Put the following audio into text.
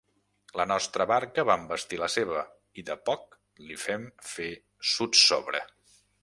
La nostra barca va envestir la seva, i de poc li fem fer sotsobre.